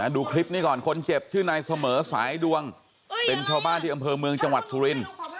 ดูคลิปนี้ก่อนคนเจ็บชื่อนายเสมอสายดวงเป็นชาวบ้านที่อำเภอเมืองจังหวัดสุรินทร์